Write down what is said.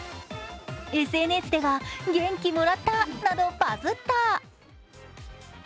ＳＮＳで元気もらったなどバズッた。